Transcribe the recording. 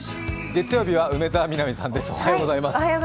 月曜日は梅澤美波さんです。